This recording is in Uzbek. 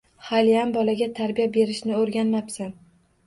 Haliyam bolaga tarbiya berishni o‘rganmapsan.